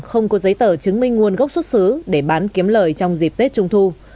không có giấy tờ chứng minh nguồn gốc xuất xứ để bán kiếm lời trong dịp tết trung thu